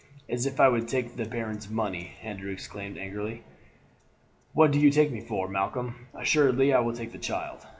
"As if I would take the bairn's money!" Andrew exclaimed angrily. "What do you take me for, Malcolm? Assuredly I will take the child.